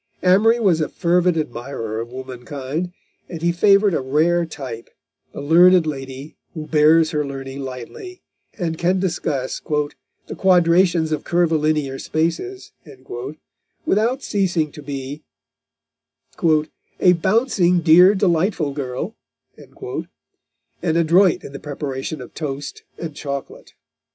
Amory was a fervid admirer of womankind, and he favoured a rare type, the learned lady who bears her learning lightly and can discuss "the quadrations of curvilinear spaces" without ceasing to be "a bouncing, dear, delightful girl," and adroit in the preparation of toast and chocolate.